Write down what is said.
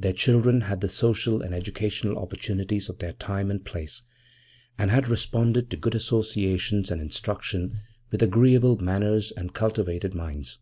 Their children had the social and educational opportunities of their time and place, and had responded to good associations and instruction with agreeable manners and cultivated minds.